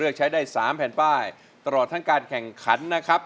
เลือกใช้ได้๓แผ่นใบตลอดทั้งการแข่งขันนะครับ